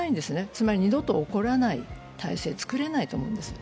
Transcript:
つまり二度と起こらない体制を作れないと思うんです。